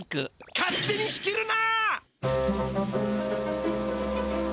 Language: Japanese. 勝手に仕切るな！